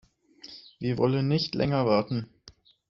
Wir wollen nicht länger warten.